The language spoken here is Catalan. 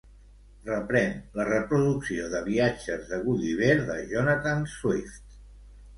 Reprèn la reproducció de "Viatges de Gulliver" de Jonathan Swift.